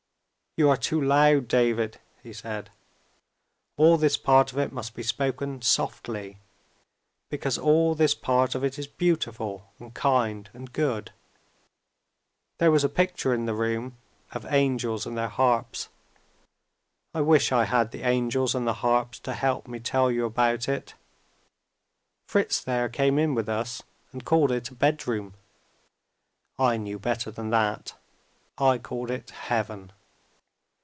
"You are too loud, David," he said. "All this part of it must be spoken softly because all this part of it is beautiful, and kind, and good. There was a picture in the room, of angels and their harps. I wish I had the angels and the harps to help me tell you about it. Fritz there came in with us, and called it a bedroom. I knew better than that; I called it Heaven.